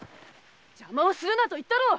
邪魔をするなと言ったろう。